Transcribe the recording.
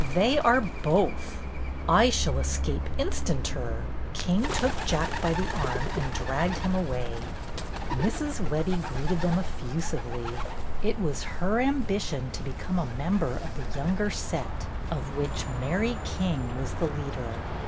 They are both." ''I shall escape instanter." King took Jack by the arm and dragged him away. Mrs. Webbie greeted them effusively. It was her ambition to become a member of the younger set, of which Mary King was the leader.